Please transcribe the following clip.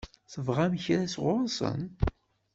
Tebɣam kra sɣur-sen?